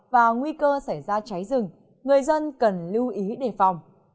và nguy cơ xảy ra cháy rừng người dân cần lưu ý đề phòng